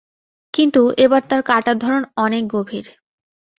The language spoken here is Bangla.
কিন্তু এবার তার কাটার ধরণ অনেক গভীর।